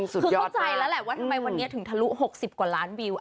คือเข้าใจแล้วแหละว่าทำไมวันนี้ถึงทะลุ๖๐กว่าล้านวิว